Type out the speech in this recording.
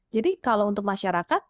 jadi kalau untuk masyarakat